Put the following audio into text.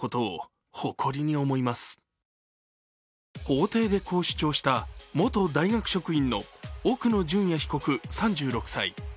法廷でこう主張した、元大学職員の奥野淳也被告３６歳。